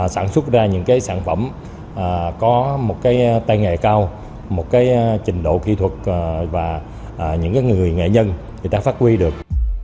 sản xuất ra những cái sản phẩm có một cái tay nghề cao một cái trình độ kỹ thuật và những người nghệ nhân người ta phát huy được